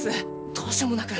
どうしようもなく。